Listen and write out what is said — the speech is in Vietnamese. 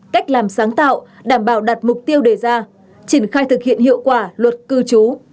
cách làm sáng tạo đảm bảo đặt mục tiêu đề ra triển khai thực hiện hiệu quả luật cư trú